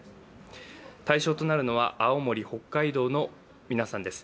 対象となるのは青森、北海道の皆さんです。